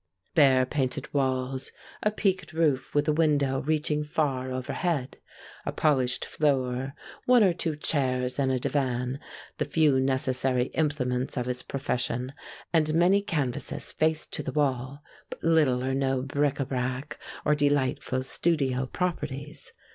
Bare painted walls, a peaked roof with a window reaching far overhead, a polished floor, one or two chairs and a divan, the few necessary implements of his profession, and many canvases faced to the wall, but little or no bric à brac or delightful studio properties.